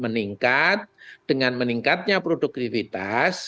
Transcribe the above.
meningkat dengan meningkatnya produktivitas